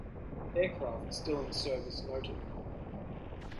Aircraft still in service noted.